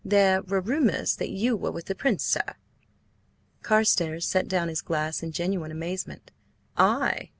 "There were rumours that you were with the Prince, sir." Carstares set down his glass in genuine amazement. "I?"